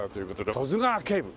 『十津川警部』。